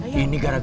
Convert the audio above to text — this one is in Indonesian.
ini gara gara apa